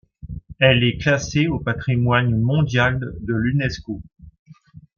Elle est classée au patrimoine mondial de l'Unesco.